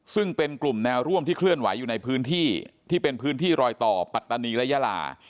ซึ่งเป็นกลุ่มแนวร่วมที่เคลื่อนไหวอยู่ในพื้นที่ที่เป็นพื้นที่รอยต่อปัตตานีและยาลา